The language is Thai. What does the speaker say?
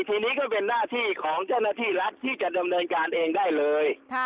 ทีนี้ก็เป็นหน้าที่ของเจ้าหน้าที่รัฐที่จะดำเนินการเองได้เลย